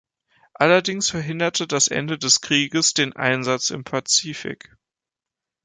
Allerdings verhinderte das Ende des Krieges den Einsatz im Pazifik.